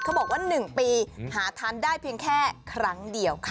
บอกว่า๑ปีหาทานได้เพียงแค่ครั้งเดียวค่ะ